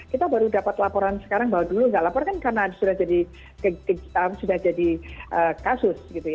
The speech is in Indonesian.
kita baru dapat laporan sekarang bahwa dulu tidak lapor kan karena sudah jadi kasus